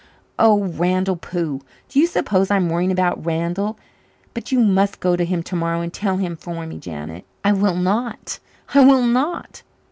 "Oh, Randall pooh! Do you suppose I'm worrying about Randall? But you must go to him tomorrow and tell him for me, Janet." "I will not I will not."